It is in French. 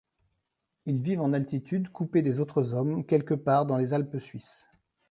Ils vivent en altitude, coupés des autres hommes, quelque part dans les Alpes suisses.